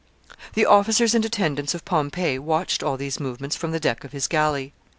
] The officers and attendants of Pompey watched all these movements from the deck of his galley.